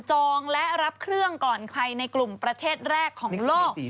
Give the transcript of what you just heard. จองและรับเครื่องก่อนใครในกลุ่มประเทศแรกของโลก